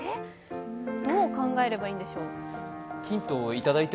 どう考えればいいんでしょう？